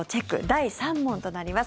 第３問となります。